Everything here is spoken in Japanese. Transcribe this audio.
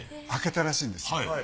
開けたらしいんですよ。